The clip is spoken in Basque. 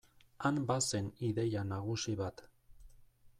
Han bazen ideia nagusi bat.